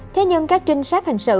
thế nhưng các trinh sát hành sự